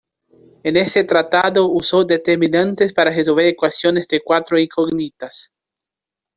En este tratado usó determinantes para resolver ecuaciones de cuatro incógnitas.